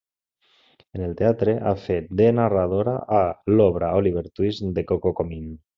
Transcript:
En el teatre ha fet de narradora a l'obra Oliver Twist de Coco Comin.